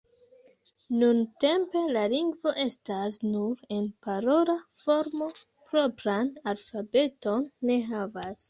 Nuntempe la lingvo estas nur en parola formo, propran alfabeton ne havas.